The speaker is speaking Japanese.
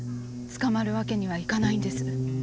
捕まるわけにはいかないんです。